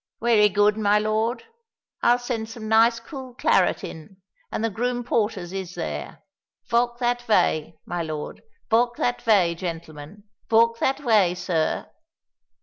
"Wery good, my lord. I'll send some nice cool claret in; and the groom porters is there. Valk that vay, my lord: valk that vay, gentlemen;—valk that vay, sir."